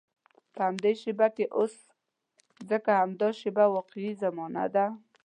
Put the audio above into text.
په همدې شېبه کې اوسه، ځکه همدا شېبه واقعي زمانه ده.